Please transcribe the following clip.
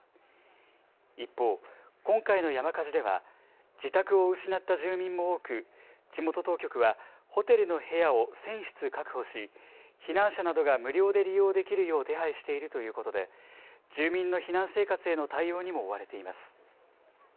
一方、今回の山火事では自宅を失った住民も多く、地元当局は、ホテルの部屋を１０００室確保し、避難者などが無料で利用できるよう手配しているということで、住民の避難生活への対応にも追われています。